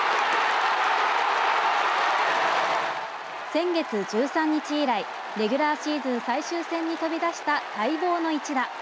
先月１３日以来レギュラーシーズン最終戦に飛び出した待望の１打。